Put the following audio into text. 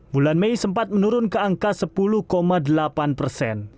bulan mei sempat menurun ke angka sepuluh delapan persen